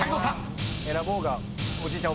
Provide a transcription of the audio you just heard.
子供が選ぼうがおじいちゃん